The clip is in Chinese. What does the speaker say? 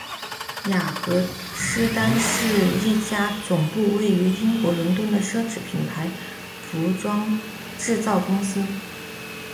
雅格狮丹是一家总部位于英国伦敦的奢侈品牌服装制造公司。